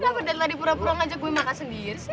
kenapa dari tadi pura pura ngajak gue makan sendiri sih